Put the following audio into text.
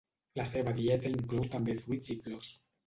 La seva dieta inclou també fruits i flors.